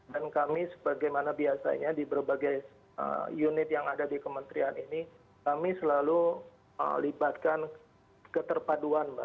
dan kami sebagaimana biasanya di berbagai unit yang ada di kementerian ini kami selalu libatkan keterpaduan mbak